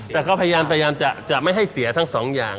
แต่เขาพยายามจะไม่ให้เสียทั้งสองอย่าง